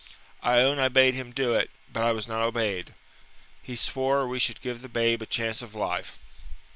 "I own I bade him do it, but I was not obeyed. He swore we should give the babe a chance of life.